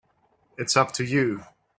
It's up to you.